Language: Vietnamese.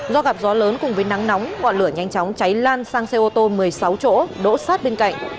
do gặp gió lớn cùng với nắng nóng ngọn lửa nhanh chóng cháy lan sang xe ô tô một mươi sáu chỗ đỗ sát bên cạnh